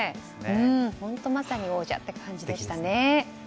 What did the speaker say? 本当まさに王者って感じでしたね。